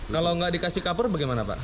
kalau nggak dikasih kapur bagaimana pak